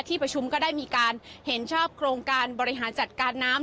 ประชุมก็ได้มีการเห็นชอบโครงการบริหารจัดการน้ำ